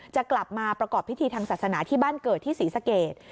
จะกลับมาประกอบพิธีทางศาสนาที่บ้านเกิดที่ศรีสเกต